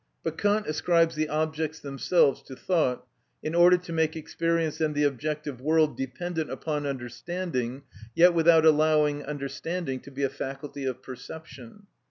But Kant ascribes the objects themselves to thought, in order to make experience and the objective world dependent upon understanding, yet without allowing understanding to be a faculty of perception.